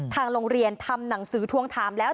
ทางโรงเรียนทำหนังสือทวงถามแล้ว